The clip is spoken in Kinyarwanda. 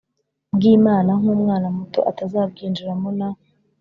bw Imana nk umwana muto atazabwinjiramo na